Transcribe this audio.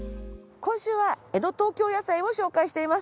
今週は江戸東京野菜を紹介しています。